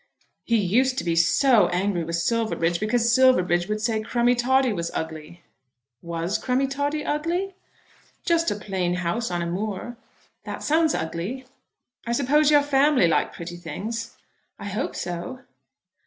"He used to be so angry with Silverbridge, because Silverbridge would say Crummie Toddie was ugly." "Was Crummie Toddie ugly?" "Just a plain house on a moor." "That sounds ugly." "I suppose your family like pretty things?" "I hope so."